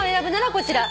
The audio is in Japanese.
こちら。